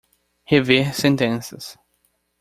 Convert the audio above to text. Rever sentenças.